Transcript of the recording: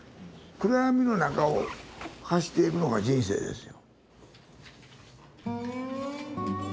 暗闇の中を走っていくのが人生ですよ。